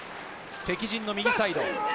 敵陣の右サイド。